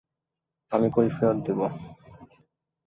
আমি কৈফিয়ত দেবো।